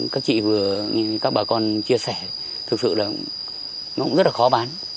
các chị vừa các bà con chia sẻ thực sự là nó cũng rất là khó bán